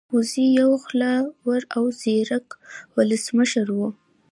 سرکوزی يو خوله ور او ځيرکا ولسمشر وو